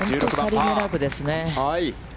さりげなくですね。